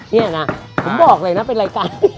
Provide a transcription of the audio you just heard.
นี่นะผมบอกเลยนะเป็นรายการ